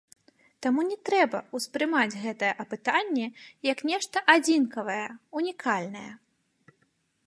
Таму не трэба ўспрымаць гэтае апытанне, як нешта адзінкавае, унікальнае.